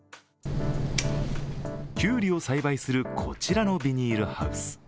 きゅうりを栽培するこちらのビニールハウス。